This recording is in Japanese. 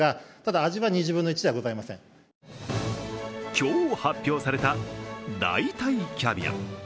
今日発表された代替キャビア。